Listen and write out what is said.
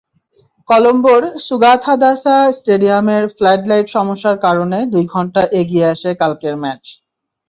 কলম্বোর সুগাথাদাসা স্টেডিয়ামের ফ্লাডলাইট সমস্যার কারণে দুই ঘণ্টা এগিয়ে আসে কালকের ম্যাচ।